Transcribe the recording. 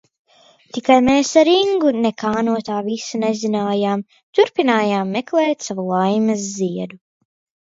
Tikai mēs ar Ingu nekā no visa tā nezinājām, turpinājām meklēt savu laimes ziedu.